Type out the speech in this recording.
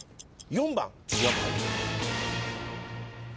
４番。